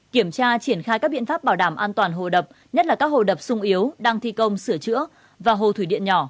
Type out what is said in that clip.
kiểm tra triển khai các biện pháp bảo đảm an toàn hồ đập nhất là các hồ đập sung yếu đang thi công sửa chữa và hồ thủy điện nhỏ